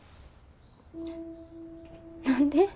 何で？